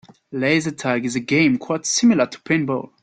Laser tag is a game quite similar to paintball.